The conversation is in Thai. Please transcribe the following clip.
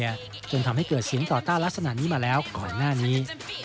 จนทำให้เกิดเสียงต่อต้านลักษณะนี้มาแล้วก่อนหน้านี้